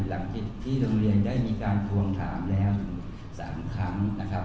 หลังจากที่โรงเรียนได้มีการทวงถามแล้วถึง๓ครั้งนะครับ